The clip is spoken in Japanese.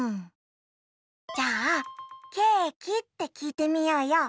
じゃあ「ケーキ？」ってきいてみようよ。